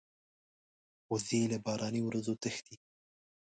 وزې له باراني ورځو تښتي